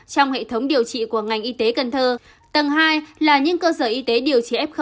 trong hệ thống điều trị của ngành y tế cần thơ tầng hai là những cơ sở y tế điều trị f